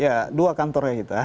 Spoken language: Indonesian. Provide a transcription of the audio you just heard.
ya tapi kan kantornya satu